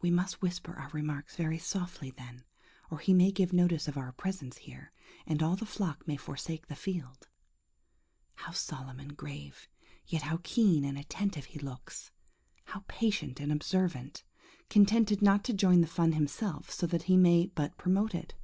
We must whisper our remarks very softly then, or he may give notice of our presence here, and all the flock may forsake the field. How solemn and grave, yet how keen and attentive he looks! How patient and observant! Contented not to join the fun himself, so that he may but promote it.